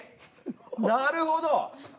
なるほど。